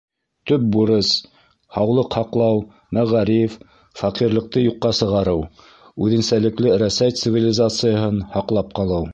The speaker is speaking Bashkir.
Төп бурыс — һаулыҡ һаҡлау, мәғариф, фәҡирлекте юҡҡа сығарыу, үҙенсәлекле Рәсәй цивилизацияһын һаҡлап ҡалыу.